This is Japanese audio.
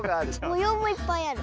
もようもいっぱいある。